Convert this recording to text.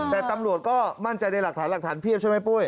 แต่ตำรวจก็มั่นใจในหลักฐานหลักฐานเพียบใช่ไหมปุ้ย